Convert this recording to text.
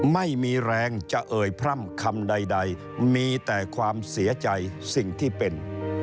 ไม่มีแรงจะเอ่ยพร่ำคำใดมีแต่ความเสียใจสิ่งที่เป็น